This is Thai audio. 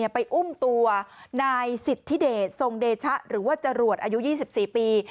ไปอุ้มตัวนายสิทธิเดชทรงเดชะหรือว่าจรวดอายุ๒๔ปี